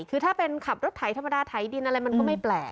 คือถ้าเป็นขับรถไถธรรมดาไถดินอะไรมันก็ไม่แปลก